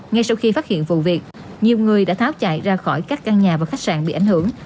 ngay sau khi phát hiện vụ việc nhiều người đã tháo chạy ra khỏi các căn nhà và khách sạn bị ảnh hưởng